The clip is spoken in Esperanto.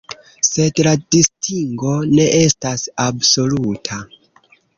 Sed la distingo ne estas absoluta.